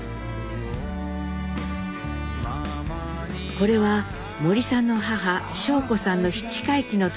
これは森さんの母尚子さんの七回忌の時の写真。